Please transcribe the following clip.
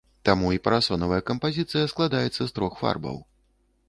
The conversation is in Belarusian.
Таму і парасонавая кампазіцыя складаецца з трох фарбаў.